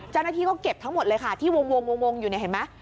เจ้าหน้าที่ก็เก็บทั้งหมดเลยค่ะที่วงอยู่เนี่ยเห็นไหม